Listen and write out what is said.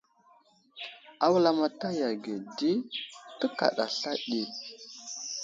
A wulamataya ge di tekaɗa sla ɗi.